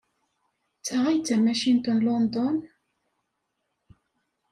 D ta ay d tamacint n London?